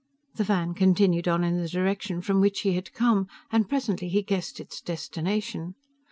The van continued on in the direction from which he had come, and presently he guessed its destination.